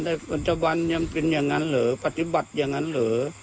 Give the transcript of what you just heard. แต่ปัจจุบันยังเป็นอย่างนั้นเหรอปฏิบัติอย่างนั้นเหรอ